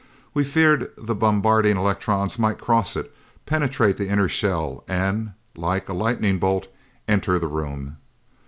We feared the bombarding electrons might cross it, penetrate the inner shell and, like a lightning bolt, enter the room.